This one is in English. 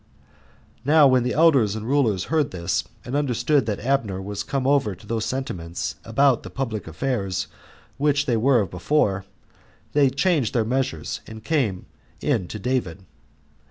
Now when the elders and rulers heard this, and understood that Abner was come over to those sentiments about the public affairs which they were of before, they changed their measures, and came in to David.